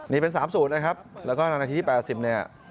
นี่เป็นสามสูนนะครับแล้วก็นาทีที่แปดสิบเนี้ย